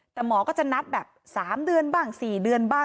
แต่หมอก็จะนัดแบบ๓เดือนบ้าง๔เดือนบ้าง